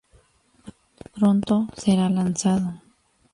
Pronto será lanzado.